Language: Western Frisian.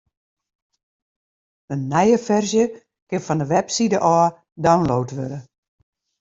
In nije ferzje kin fan de webside ôf download wurde.